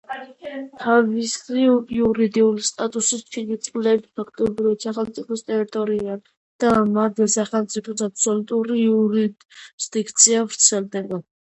თავისი იურიდიული სტატუსით შიდა წყლები ფაქტობრივად სახელმწიფოს ტერიტორიაა და მათზე სახელმწიფოს აბსოლუტური იურისდიქცია ვრცელდება.